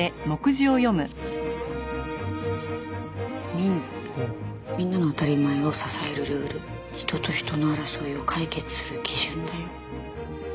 「民法みんなの“あたりまえ”を支えるルール」「人と人の争いを解決する基準だよ！」